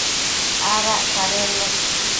Adac cadennec